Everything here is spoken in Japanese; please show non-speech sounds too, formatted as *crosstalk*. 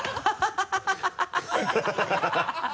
ハハハ *laughs*